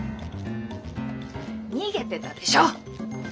逃げてたでしょ！